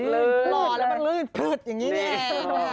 หล่อแล้วมันลืดอย่างนี้แหละ